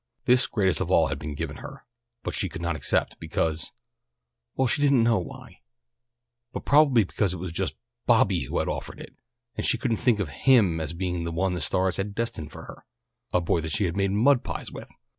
This greatest of all had been given her, but she could not accept because well, she didn't know why but probably because it was just Bobby who had offered it, and she couldn't think of him as being the one the stars had destined for her a boy that she had made mud pies with.